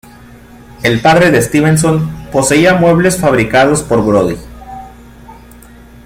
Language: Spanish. El padre de Stevenson poseía muebles fabricados por Brodie.